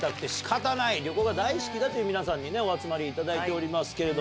旅行が大好きだという皆さんにお集まりいただいておりますけれども。